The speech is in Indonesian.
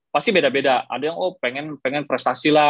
pasti beda beda ada yang oh pengen prestasi lah